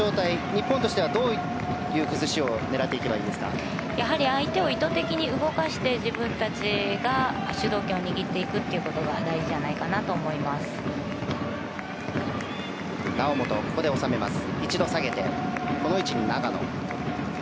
日本としてはどういう崩しをやはり相手を意図的に動かして自分たちが主導権を握っていくことが大事じゃないかなと思います。